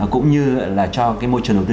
cũng như là cho cái môi trường đầu tư